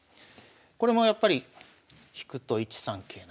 これもやっぱり引くと１三桂成があります。